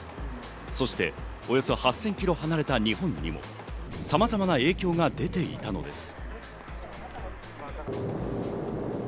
そして、およそ８０００キロ離れた日本にもさまざまな影響が出ていたのです。